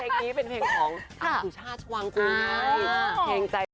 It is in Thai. เพลงนี้เป็นเพลงของอัศวิชาชวังคุณไง